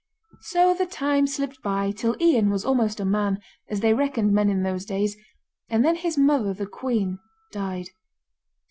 So the time slipped by till Ian was almost a man, as they reckoned men in those days, and then his mother the queen died.